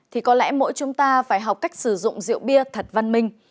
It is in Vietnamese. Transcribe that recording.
thì có lẽ mỗi chúng ta phải học cách sử dụng rượu bia thật văn minh